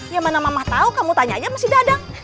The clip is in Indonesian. ya mana mamah tau kamu tanya aja masih dadang